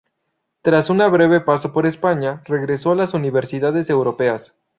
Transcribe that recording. Tras una breve paso por España, regresó a las universidades europeas.